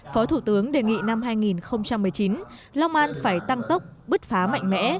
phó thủ tướng đề nghị năm hai nghìn một mươi chín long an phải tăng tốc bứt phá mạnh mẽ